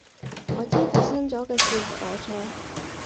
我知發生咗嘅事係我錯